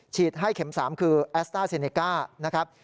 ให้เข็ม๓คือแอสต้าเซเนก้านะครับ